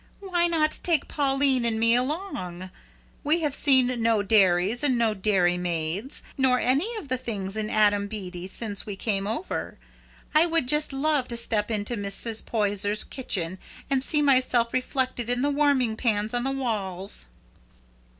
"Why not take Pauline and me along? We have seen no dairies, and no dairy maids, nor any of the things in Adam Bede, since we came over. I would just love to step into Mrs. Poyser's kitchen and see myself reflected in the warming pans on the walls."